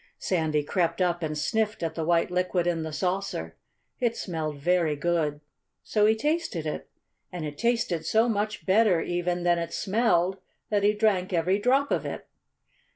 Sandy crept up and sniffed at the white liquid in the saucer. It smelled very good. So he tasted it. And it tasted so much better, even, than it smelled that he drank every drop of it.